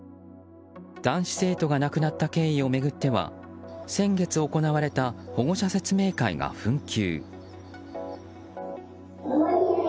男子生徒が亡くなった経緯を巡っては先月行われた保護者説明会が紛糾。